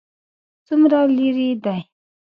څومره لیرې دی؟